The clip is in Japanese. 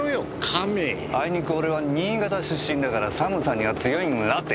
あいにく俺は新潟出身だから寒さには強いんらて。